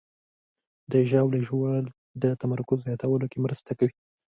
د ژاولې ژوول د تمرکز زیاتولو کې مرسته کوي.